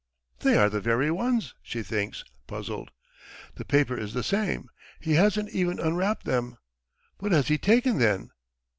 "They are the very ones," she thinks puzzled. "... The paper is the same. ... He hasn't even unwrapped them! What has he taken then?